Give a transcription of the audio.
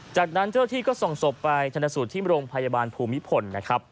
จากนั้นเจ้าที่ก็ส่องสบไปทันทะสุทธิ์ที่โรงพยาบาลภูมิผล